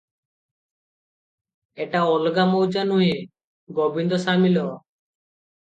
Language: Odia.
ଏଟା ଅଲଗା ମୌଜା ନୁହେଁ, ଗୋବିନ୍ଦ ସାମିଲ ।